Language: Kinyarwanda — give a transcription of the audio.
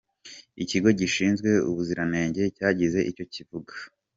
Ikigo gishinzwe ubuziranenge cyagize icyo kivuga.